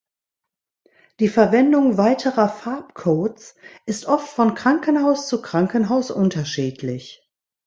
Die Verwendung weiterer Farbcodes ist oft von Krankenhaus zu Krankenhaus unterschiedlich.